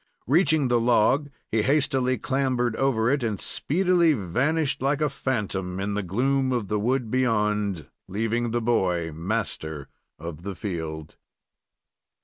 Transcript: Reaching the log, he hastily clambered over it and speedily vanished like a phantom in the gloom of the wood beyond, leaving the boy master of the field.